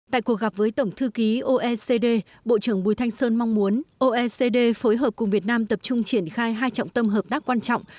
tại cuộc gặp với tổng thư ký oecd bộ trưởng bùi thanh sơn mong muốn oecd phối hợp cùng việt nam tập trung triển khai hai trọng tâm hợp tác quan trọng